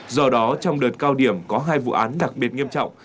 do đó trong đợt cao điểm có hai vụ án đặc biệt nghiêm trọng